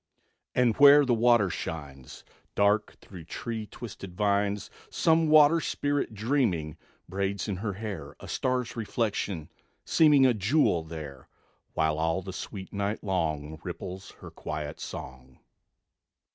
And where the water shines Dark through tree twisted vines, Some water spirit, dreaming, Braids in her hair A star's reflection; seeming A jewel there; While all the sweet night long Ripples her quiet song....